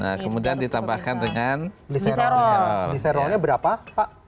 nah kemudian ditambahkan dengan glicerol